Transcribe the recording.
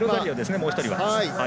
もう１人。